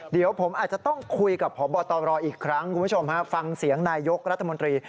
เดี๋ยวผมอาจจะต้องคุยกับพบตรอีกครั้งคุณผู้ชมฮะฟังเสียงนายยกรัฐมนตรี